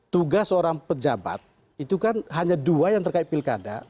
tugas seorang pejabat itu kan hanya dua yang terkait pilkada